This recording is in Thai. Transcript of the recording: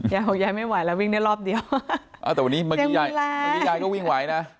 ยายบอกยายไม่ไหวแล้ววิ่งได้รอบเดียวอ่าแต่วันนี้เมื่อกี้ยายวันนี้ยายก็วิ่งไหวนะ